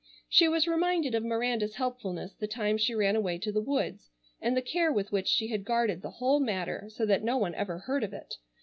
She was reminded of Miranda's helpfulness the time she ran away to the woods, and the care with which she had guarded the whole matter so that no one ever heard of it.